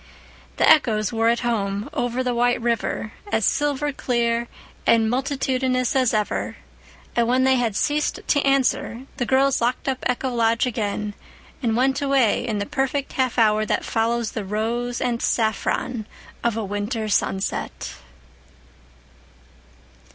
The echoes were at home, over the white river, as silver clear and multitudinous as ever; and when they had ceased to answer the girls locked up Echo Lodge again and went away in the perfect half hour that follows the rose and saffron of a winter sunset.